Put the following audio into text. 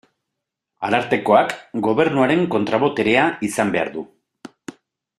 Arartekoak Gobernuaren kontra-boterea izan behar du.